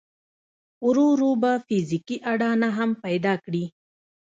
ورو ورو به فزيکي اډانه هم پيدا کړي.